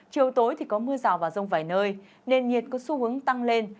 chiều tối thì có mưa rào và rông vài nơi nền nhiệt có xu hướng tăng lên